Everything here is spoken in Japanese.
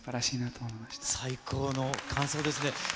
最高の感想ですね。